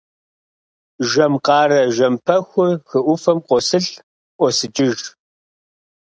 Жэм къарэ жэм пэхур хы ӏуфэм къосылӏ, ӏуосыкӏыж.